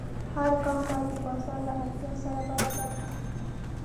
هر ګام باید د بازار له اړتیا سره برابر وي.